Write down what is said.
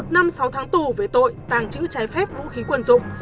một năm sáu tháng tù về tội tàng trữ trái phép vũ khí quân dụng